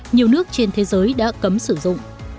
nhiều nước trên thế giới đã cấm sử dụng